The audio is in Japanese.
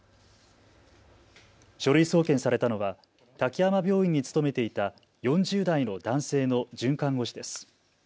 書類送検されたのは滝山病院に勤めていた４０代の男性の准看護師です。